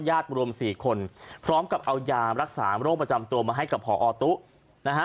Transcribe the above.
รวมสี่คนพร้อมกับเอายารักษาโรคประจำตัวมาให้กับพอตุ๊นะฮะ